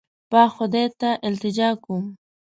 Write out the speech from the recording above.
پاک خدای ته التجا کوم.